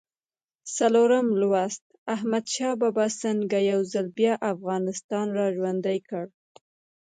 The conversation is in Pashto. څلورم لوست: احمدشاه بابا څنګه یو ځل بیا افغانستان را ژوندی کړ؟